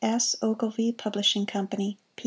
S. OGILVIE PUBLISHING COMPANY. P.